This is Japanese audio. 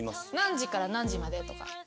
何時から何時までとか。